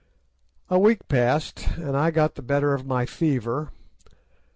"A week passed, and I got the better of my fever.